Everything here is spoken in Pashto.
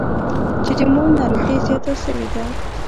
چې د مور ناروغي زياته سوې ده.